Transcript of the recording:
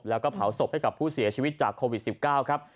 แล้วก็เผาศพให้กับผู้เสียชีวิตจากโควิด๑๙ครับ